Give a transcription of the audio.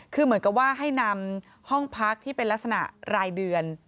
คือเหมือนกับว่าให้นำห้องพักที่เป็นลักษณะรายเดือน